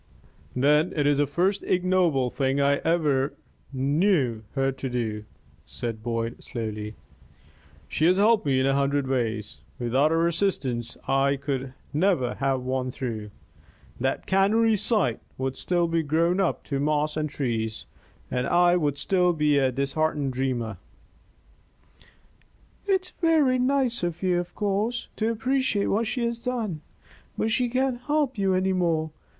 "Then it is the first ignoble thing I ever knew her to do," said Boyd, slowly. "She has helped me in a hundred ways. Without her assistance, I could never have won through. That cannery site would still be grown up to moss and trees, and I would still be a disheartened dreamer." "It's very nice of you, of course, to appreciate what she has done. But she can't help you any more.